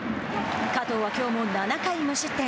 加藤は、きょうも７回無失点。